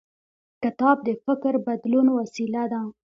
کتاب د فکر بدلون وسیله ده.